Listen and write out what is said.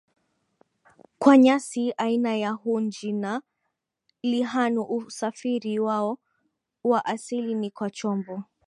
kwa nyasi aina ya hunji na lihanuUsafiri wao wa asili ni kwa chombo